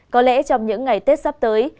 có lẽ trong những ngày tết sắp tới